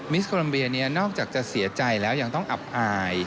สโคลัมเบียนี้นอกจากจะเสียใจแล้วยังต้องอับอาย